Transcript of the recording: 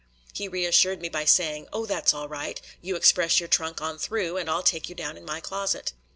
He reassured me by saying: "Oh, that's all right. You express your trunk on through, and I'll take you down in my closet."